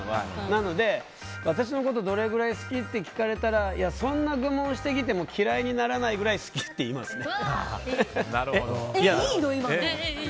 なので、私のことどれくらい好き？って聞かれたらそんな質問してきても嫌いにならないぐらい好きって言いますね。